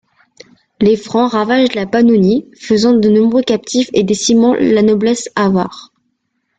Les Francs ravagent la Pannonie, faisant de nombreux captifs et décimant la noblesse avare.